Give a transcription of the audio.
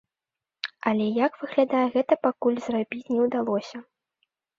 Але, як выглядае, гэта пакуль зрабіць не ўдалося.